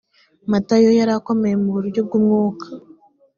matayo yari akomeye mu buryo bw’umwuka